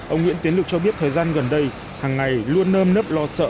ông nguyễn tiến lục cho biết thời gian gần đây hằng ngày luôn nơm nấp lo sợ